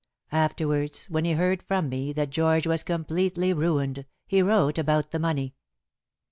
Afterwards when he heard from me that George was completely ruined, he wrote about the money."